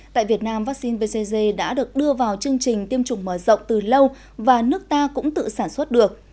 tại việt nam vaccine bcg đã được đưa vào chương trình tiêm chủng mở rộng từ lâu và nước ta cũng tự sản xuất được